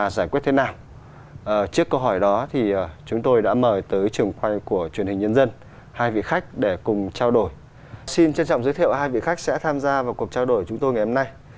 xin trân trọng giới thiệu hai vị khách sẽ tham gia vào cuộc trao đổi chúng tôi ngày hôm nay